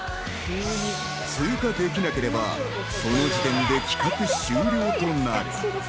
通過できなければその時点で企画終了となる。